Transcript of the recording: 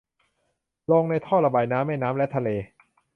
ลงในท่อระบายน้ำ แม่น้ำ และทะเล